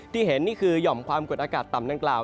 เห็นนี่คือหย่อมความกดอากาศต่ำดังกล่าว